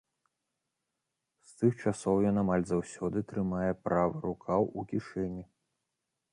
З тых часоў ён амаль заўсёды трымае правы рукаў у кішэні.